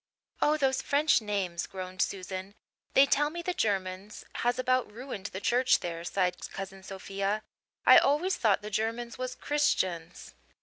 "Oh, those French names," groaned Susan. "They tell me the Germans has about ruined the church there," sighed Cousin Sophia. "I always thought the Germans was Christians."